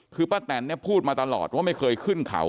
คือป้าแตนเนี่ยพูดมาตลอดว่าไม่เคยขึ้นเขา